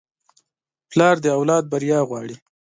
پلار د اولاد بریا غواړي.